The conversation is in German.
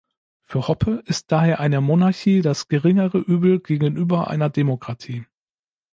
Für Hoppe ist daher eine Monarchie das geringere Übel gegenüber einer Demokratie.